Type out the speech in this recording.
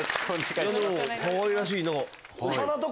かわいらしい。